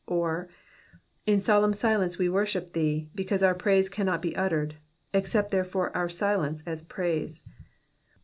Or, in solemn silence we worship thee, because our praise cannot be uttered ; accept, therefore, our silence as praise.